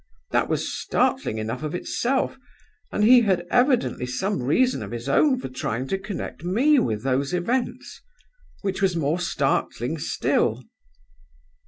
That was startling enough of itself. And he had evidently some reason of his own for trying to connect me with those events which was more startling still.